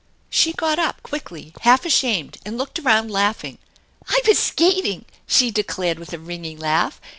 She got up quickly, half ashamed, and looked around laughing. " I vas skating !" she declared with a ringing laugh.